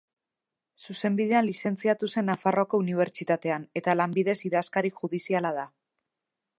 Zuzenbidean lizentziatu zen Nafarroako Unibertsitatean, eta lanbidez idazkari judiziala da.